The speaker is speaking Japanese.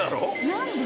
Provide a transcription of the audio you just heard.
何で？